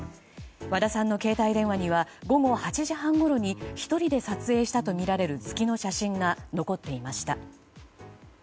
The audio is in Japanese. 和田さんの携帯電話には午後８時半ごろに１人で撮影したとみられる月の写真が残っていました。